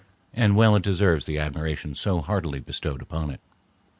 And well it deserves the admiration so heartily bestowed upon it.